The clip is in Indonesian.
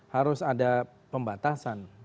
harus ada pembatasan